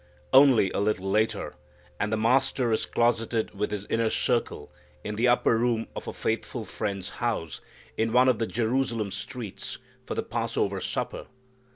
Only a little later, and the Master is closeted with His inner circle in the upper room of a faithful friend's house in one of the Jerusalem streets, for the Passover supper.